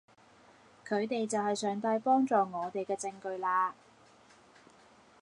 佢哋就係上帝幫助我哋嘅證據嘞